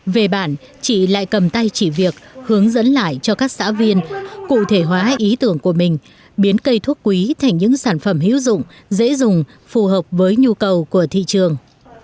về bản chị lại cầm tay chỉ việc hướng dẫn lại cho các xã viên cụ thể hóa ý tưởng của mình biến cây thuốc quý thành những sản phẩm hữu dụng dễ dùng phù hợp với nhu cầu của thị trường